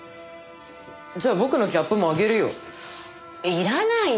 じゃあ僕のキャップもあげるよ。